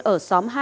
ở xóm hai